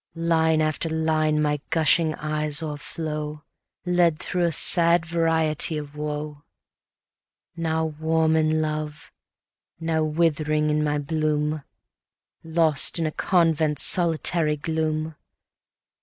Line after line my gushing eyes o'erflow, Led through a sad variety of woe; Now warm in love, now withering in my bloom, Lost in a convent's solitary gloom!